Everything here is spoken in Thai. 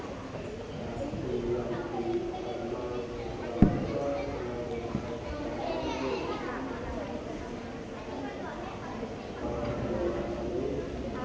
สวัสดีครับสวัสดีครับ